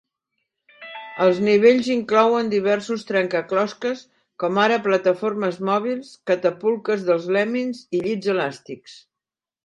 Els nivells inclouen diversos trencaclosques, com ara plataformes mòbils, catapultes dels Lemmings i llits elàstics.